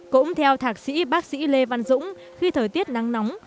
cũng theo thạc sĩ bác sĩ lê văn dũng